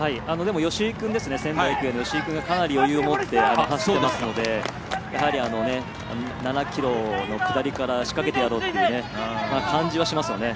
仙台育英の吉居君がかなり余裕を持って走っていますのでやはり、７ｋｍの下りから仕掛けてやろうっていう感じはしますよね。